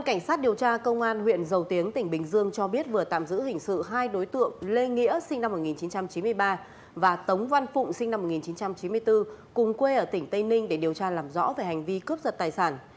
cảnh sát điều tra công an huyện dầu tiếng tỉnh bình dương cho biết vừa tạm giữ hình sự hai đối tượng lê nghĩa sinh năm một nghìn chín trăm chín mươi ba và tống văn phụng sinh năm một nghìn chín trăm chín mươi bốn cùng quê ở tỉnh tây ninh để điều tra làm rõ về hành vi cướp giật tài sản